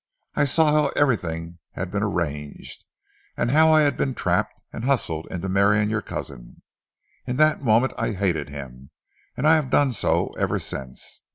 I saw how everything had been arranged, and how I had been trapped and hustled into marrying your cousin. In that moment I hated him, and I have done so ever since....